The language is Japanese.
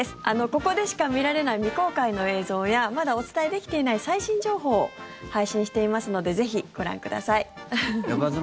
ここでしか見られない未公開の映像やまだお伝えできていない最新情報を配信していますのでぜひご覧ください。